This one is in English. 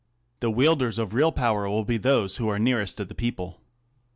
The wielders of real power will be those who are nearest the people.